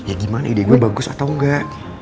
ya gimana ide gue bagus atau enggak